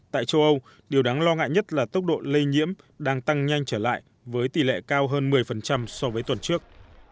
tại châu âu điều đáng lo ngại nhất là tốc độ lây nhiễm đang tăng nhanh trở lại với tỷ lệ cao hơn một mươi so với tuần trước